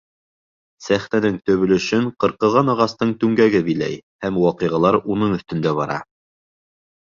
Сәхнәнең төп өлөшөн ҡырҡылған ағастың түңгәге биләй һәм ваҡиғалар уның өҫтөндә бара.